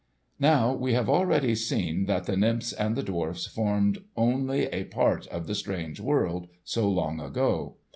Now we have already seen that the nymphs and the dwarfs formed only a part of the strange world, so long ago.